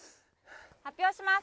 発表します。